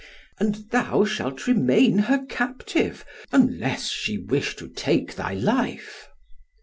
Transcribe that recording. And thou shalt remain her captive, unless she wish to take thy life."